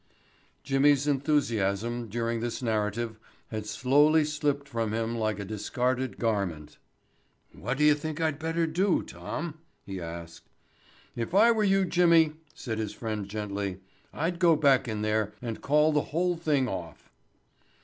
Jimmy's enthusiasm, during this narrative, had slowly slipped from him like a discarded garment. "What do you think I'd better do, Tom?" he asked. "If I were you, Jimmy," said his friend gently, "I'd go back in there and call the whole thing off."